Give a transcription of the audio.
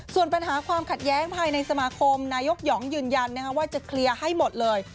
ส่วนปัญหาความขัดแย้งภายในสมาคมนายกหองยืนยันว่าจะเคลียร์ให้หมดเลย